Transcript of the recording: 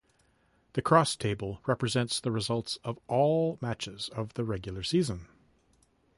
The cross table represents the results of all matches of the regular season.